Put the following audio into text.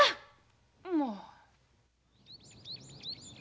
もう。